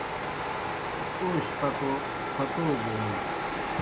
اوشیْ پتو پھتو بون